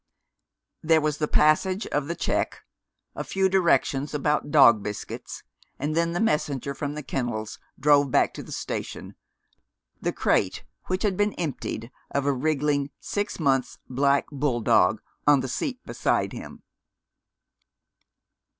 There was the passage of the check, a few directions about dog biscuits, and then the messenger from the kennels drove back to the station, the crate, which had been emptied of a wriggling six months black bull dog, on the seat beside him.